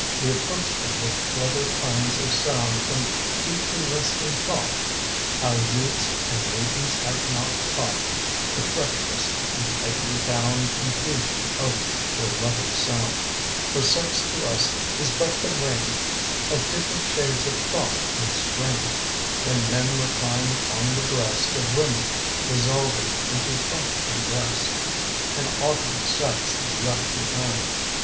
We approach them with clearer kinds Of sound from deeply resting thought. Our youths and maidens have not caugnt The treacherous and tightly bound Confusion of your loving sound, For sex to us is but the ring Of different shades of thought in Spring When men recline upon the breast Of women, dissolving into thoughtful rest In Autumn sex is left behind.